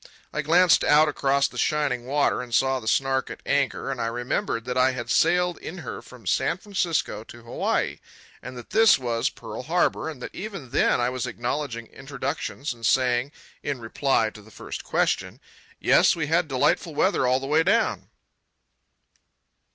I glanced out across the shining water and saw the Snark at anchor, and I remembered that I had sailed in her from San Francisco to Hawaii, and that this was Pearl Harbour, and that even then I was acknowledging introductions and saying, in reply to the first question, "Yes, we had delightful weather all the way down."